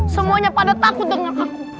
semuanya pada takut dengar aku